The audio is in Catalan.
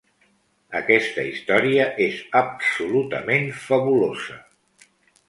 Aquesta història és absolutament fabulosa!